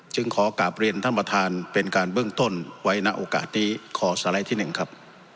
ขอกลับเรียนท่านประธานเป็นการเบื้องต้นไว้ณโอกาสนี้ขอสไลด์ที่๑ครับ